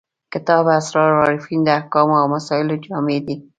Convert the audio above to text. کتاب اسرار العارفین د احکامو او مسایلو جامع دی.